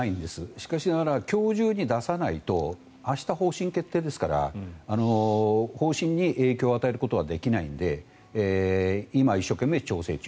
しかしながら今日中に出さないと明日、方針決定ですから方針に影響を与えることはできないので今、一生懸命調整中。